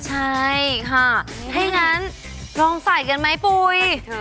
ใช่ค่ะให้งั้นลองใส่กันไหมปุ๋ย